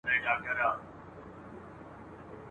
د واک ترلاسه کولو لپاره ګټه واخیسته !.